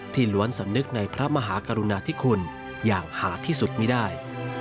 ล้วนสำนึกในพระมหากรุณาธิคุณอย่างหาที่สุดไม่ได้